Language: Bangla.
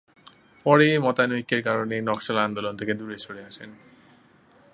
পরে মতানৈক্যের কারণে নকশাল আন্দোলন থেকে দূরে সরে আসেন।